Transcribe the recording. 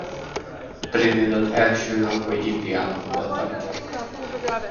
Trinidad első lakói indiánok voltak.